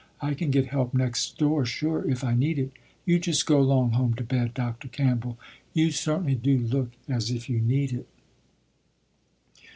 I can get help next door sure if I need it. You just go 'long home to bed, Dr. Campbell. You certainly do look as if you need it."